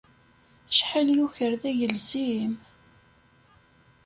Acḥal yuker d agelzim!